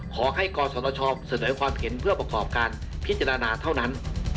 ขอให้กศชเสนอความเห็นเพื่อประกอบการพิจารณาเท่านั้น